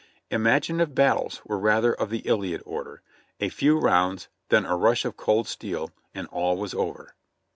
Imaginative battles were rather of the "Iliad" order — a few rounds, then a rush of cold steel, and all was over.